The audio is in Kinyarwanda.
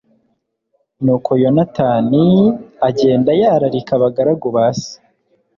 nuko yonatani e agenda yararika abagaragu base